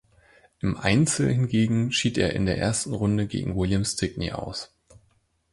Im Einzel hingegen schied er in der ersten Runde gegen William Stickney aus.